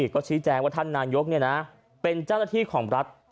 ก็ชี้แจงว่าท่านนายกเป็นเจ้าหน้าที่ของรัฐ